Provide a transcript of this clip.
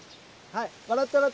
はい。